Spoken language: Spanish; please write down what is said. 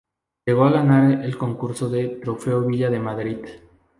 Llegó a ganar el concurso "Trofeo Villa de Madrid".